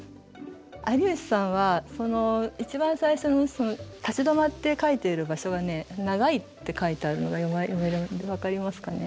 有吉さんは一番最初に立ち止まって描いている場所がね「長い」って書いてあるのが分かりますかね。